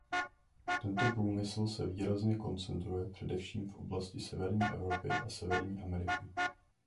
Tento průmysl se výrazně koncentruje především v oblasti Severní Evropy a Severní Ameriky.